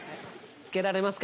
着けられますか？